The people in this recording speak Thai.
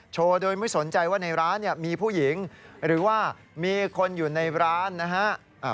โชว์โดยไม่สนใจว่าในร้านเนี่ยมีผู้หญิงหรือว่ามีคนอยู่ในร้านนะฮะ